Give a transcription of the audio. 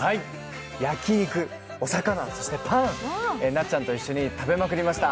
焼肉、お魚、そしてパン、なっちゃんと一緒に食べまくりました。